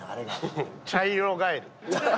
うん茶色ガエル。